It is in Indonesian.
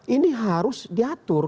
ini harus diatur